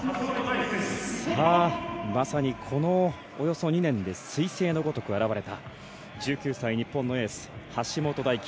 さあ、まさにこのおよそ２年ですい星のごとく現れた１９歳、日本のエース橋本大輝